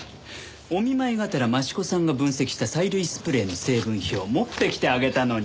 お見舞いがてら益子さんが分析した催涙スプレーの成分表持ってきてあげたのに。